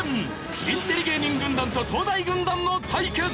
インテリ芸人軍団と東大軍団の対決！